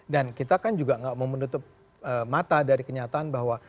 dan kita kan juga gak mau menutup mata dari kenyataan bahwa